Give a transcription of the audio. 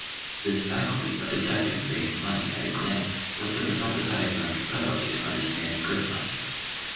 This faculty of detecting base money at a glance was the result of having learned thoroughly to understand good money.